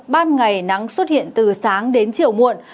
ban ngày nắng xuất hiện từ sáng đến chiều muộn